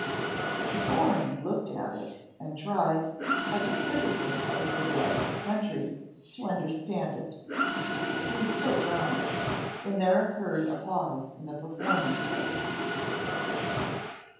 The foreigner looked at it, and tried, as a citizen of a civilized country, to understand it. He was still trying when there occurred a pause in the performances.